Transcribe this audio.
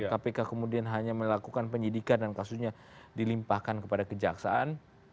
kpk kemudian hanya melakukan penyidikan dan kasusnya dilimpahkan kepada kejaksaan